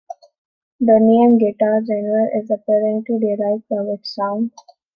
The name guitar zither is apparently derived from its sound.